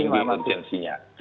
dan seberapa tinggi konsensinya